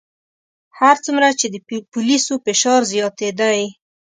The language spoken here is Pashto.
هر څومره چې د پولیسو فشار زیاتېدی.